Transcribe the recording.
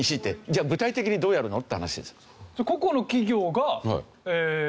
じゃあ具体的にどうやるの？って話ですよ。